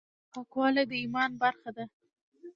پاکوالي د ايمان برخه ده.